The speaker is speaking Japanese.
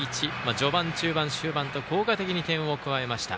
序盤、中盤、終盤と効果的に点を加えました。